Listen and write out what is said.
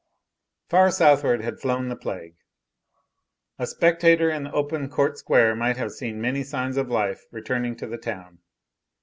Far southward had flown the plague. A spectator in the open court square might have seen many signs of life returning to the town.